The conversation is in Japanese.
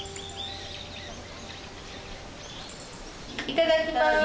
いただきます。